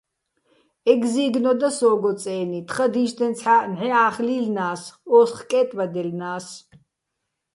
ეგზი́გნო და სო́გო წე́ნი, თხა დინჩდენცჰ̦ა́ჸ ნჵეჸა́ხ ლი́ლნა́ს, ო́სღ კე́ტბადჲელნა́ს.